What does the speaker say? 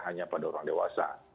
hanya pada orang dewasa